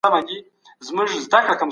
خو د زعفرانو لپاره مهربان دی.